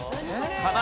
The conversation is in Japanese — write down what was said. かな